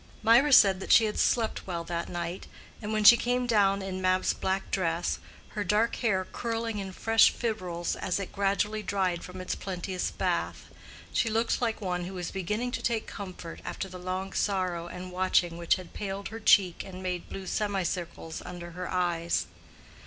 Mirah said that she had slept well that night; and when she came down in Mab's black dress, her dark hair curling in fresh fibrils as it gradually dried from its plenteous bath, she looked like one who was beginning to take comfort after the long sorrow and watching which had paled her cheek and made blue semicircles under her eyes.